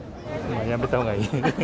やめたほうがいい。